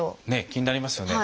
気になりますよね。